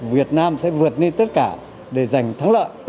việt nam sẽ vượt lên tất cả để giành thắng lợi